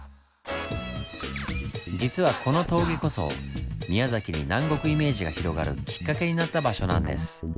実はこの峠こそ宮崎に南国イメージが広がるきっかけになった場所なんです。